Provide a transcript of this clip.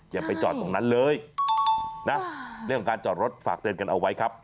อย่าไปจอดตรงนั้นเลยนะเรื่องของการจอดรถฝากเตือนกันเอาไว้ครับ